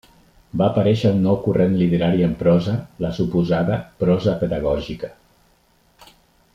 Va aparèixer un nou corrent literari en prosa, la suposada prosa pedagògica.